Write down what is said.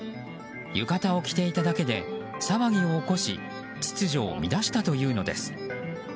浴衣を着ていただけで騒ぎを起こし秩序を乱したというのです。